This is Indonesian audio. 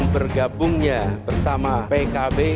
bergabungnya bersama pkb